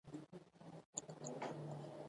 چرګ هڅه وکړه چې په پټه د وزې له پټي څخه يو څه وخوري.